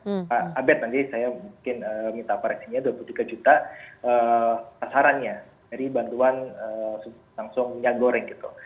pak abed nanti saya mungkin minta koreksinya dua puluh tiga juta pasarannya dari bantuan langsung minyak goreng gitu